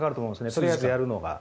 とりあえずやるのが。